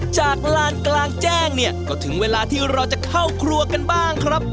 ลานกลางแจ้งเนี่ยก็ถึงเวลาที่เราจะเข้าครัวกันบ้างครับ